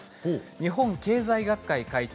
日本経済学会会長